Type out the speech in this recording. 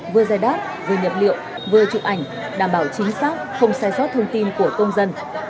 vừa giải đáp vừa nhập liệu vừa chụp ảnh đảm bảo chính xác không sai sót thông tin của công dân